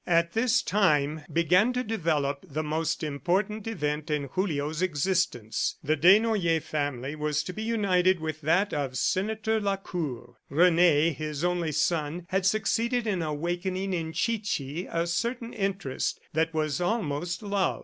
At this time began to develop the most important event in Julio's existence. The Desnoyers family was to be united with that of Senator Lacour. Rene, his only son, had succeeded in awakening in Chichi a certain interest that was almost love.